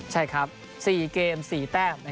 ใช่ครับ๔เกม๔แต้ม